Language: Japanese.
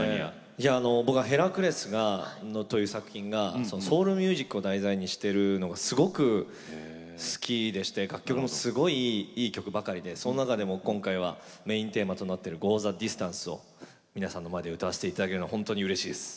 「ヘラクレス」という作品がソウルミュージックを題材にしてるのがすごく好きでして楽曲もすごい、いい曲ばかりでその中でも今回はメインテーマになっている「ゴー・ザ・ディスタンス」を皆さんの前で歌わせていただけるのは本当にうれしいです。